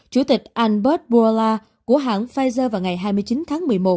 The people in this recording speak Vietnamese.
chủ tịch albert bola của hãng pfizer vào ngày hai mươi chín tháng một mươi một